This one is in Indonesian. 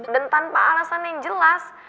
dan tanpa alasan yang jelas